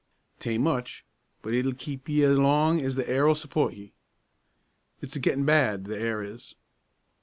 'Tain't much, but it'll keep ye up as long's the air'll support ye. It's a gettin' bad, the air is.